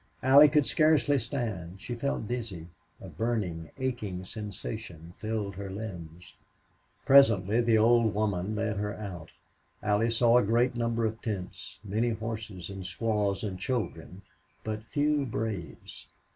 Allie could scarcely stand; she felt dizzy; a burning, aching sensation filled her limbs. Presently the old woman led her out. Allie saw a great number of tents, many horses and squaws and children, but few braves.